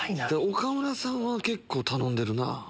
岡村さんは結構頼んでるな。